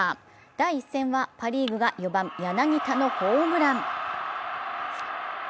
第１戦はパ・リーグが４番・柳田のホームラン。